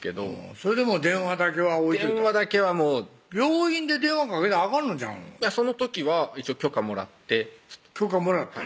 それでも電話だけは置いといた電話だけはもう病院で電話かけたらあかんのちゃうのその時は一応許可もらって許可もらったん